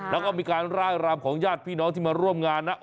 แล้วก็มีการร่ายรำของญาติพี่น้องที่มาร่วมงานนะ